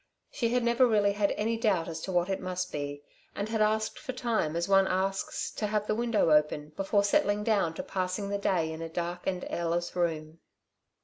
She had never really had any doubt as to what it must be, and had asked for time as one asks to have the window open before settling down to passing the day in a dark and airless room.